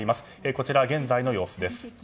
こちら現在の様子です。